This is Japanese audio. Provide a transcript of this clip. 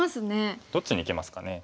どっちにいきますかね。